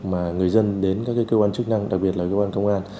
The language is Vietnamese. mà người dân đến các cơ quan chức năng đặc biệt là cơ quan công an